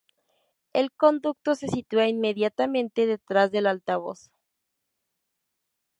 El conducto se sitúa inmediatamente detrás del altavoz.